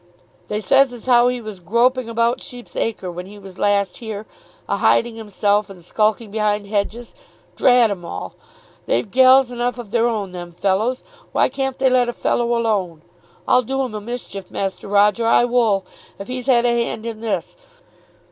"They says as how he was groping about Sheep's Acre when he was last here, a hiding himself and skulking behind hedges. Drat 'em all. They've gals enough of their own, them fellows. Why can't they let a fellow alone? I'll do him a mischief, Master Roger; I wull; if he's had a hand in this."